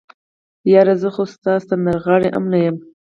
يره زه خو سندرغاړی ام نه يم.